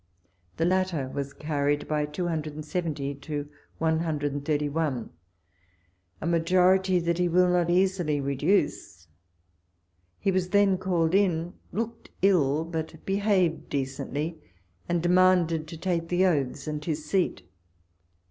The latter was carried by 270 to 131, a majority that he will not easily re duce. He was then called in, looked ill, but behaved decently, and demanded to take the oaths and his seat.